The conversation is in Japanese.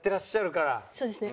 そうですね。